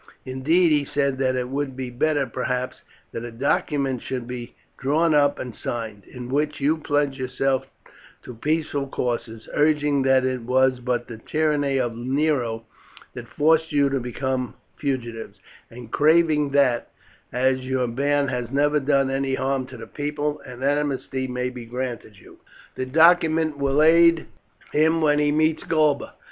Indeed, he said that it would be better, perhaps, that a document should be drawn up and signed, in which you pledge yourself to peaceful courses, urging that it was but the tyranny of Nero that forced you to become fugitives, and craving that, as your band has never done any harm to the people, an amnesty may be granted you. This document will aid him when he meets Galba.